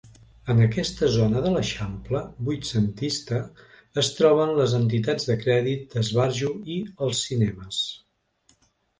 En aquesta zona d'eixample vuitcentista es troben les entitats de crèdit, d'esbarjo i els cinemes.